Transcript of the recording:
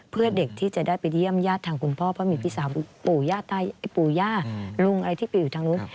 เพื่อเด็กที่จะได้ไปเยี่ยมญาติทางคุณพ่อเพราะมีพี่สาวปู่ย่าลุงอะไรที่ไปอยู่ทางนู้น